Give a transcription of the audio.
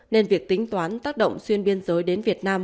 nên việc tính toán tác động xuyên biên giới đến việt nam